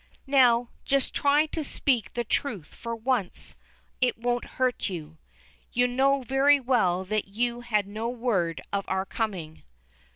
"Now, just try to speak the truth for once; it won't hurt you. You know very well that you had no word of our coming."